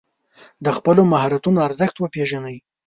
د خپلو مهارتونو ارزښت وپېژنئ.